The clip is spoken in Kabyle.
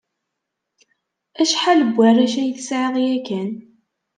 Acḥal n warrac ay tesɛiḍ yakan?